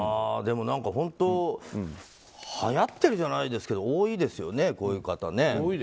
でも何か本当流行ってるじゃないけど多いですよね、こういう方ね。